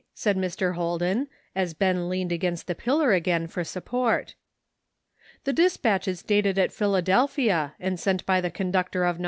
asked Mr. Holden, as Ben leaned against the pillar again for support. "The dispatch is dated at Philadelphia and sent by the conductor of No.